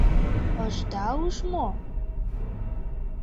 — Ышда уж мо?